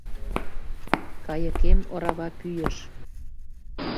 «Кайыкем орава пӱйыш